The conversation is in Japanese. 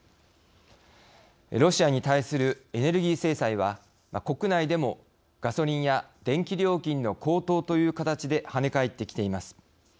ロシアに対するエネルギー制裁は国内でもガソリンや電気料金の高騰という形ではね返ってきています。